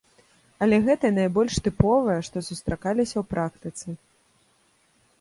Але гэта найбольш тыповыя, што сустракаліся ў практыцы.